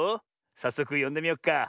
さっそくよんでみよっか。